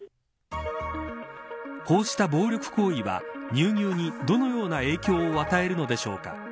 こうした暴力行為は乳牛にどのような影響を与えるのでしょうか。